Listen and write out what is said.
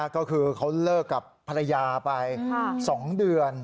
ก็คือเขาเลิกกับภรรยาไป๒เดือน